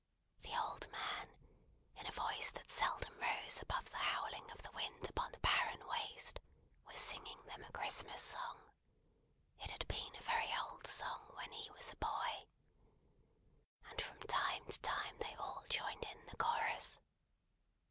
The old man, in a voice that seldom rose above the howling of the wind upon the barren waste, was singing them a Christmas song it had been a very old song when he was a boy and from time to time they all joined in the chorus.